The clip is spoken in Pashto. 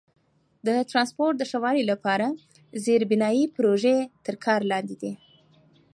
د ترانسپورت د ښه والي لپاره زیربنایي پروژې تر کار لاندې دي.